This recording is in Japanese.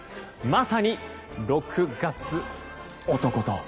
まさに６月男と。